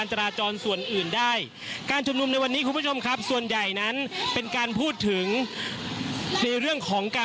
ผู้สื่อข่าวชนะทีวีจากฟิวเจอร์พาร์ครังสิตเลยนะคะ